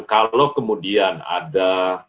kalau kemudian ada